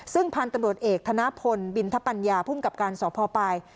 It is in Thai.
ซึ่งพันธุ์ตำรวจเอกธนพลบินทปัญญาภูมิกับการสพปลาย